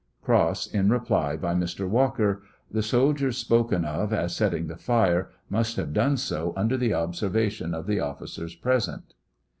Cross in reply by Mr. Walker : The soldiers spoken of as setting fire must have done so under the observation of the officers present.